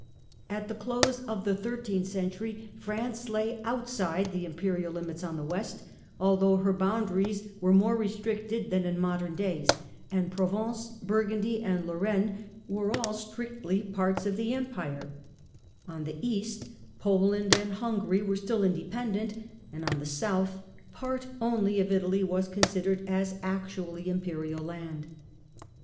At the close of the thirteenth century, France lay outside the Imperial limits on the West, although her boundaries were more restricted than in modern days, and Provence, Burgundy and Lorraine were all strictly parts of the Empire; on the East, Poland and Hungary were still independent, and on the South part only of Italy was considered as actually Imperial laud.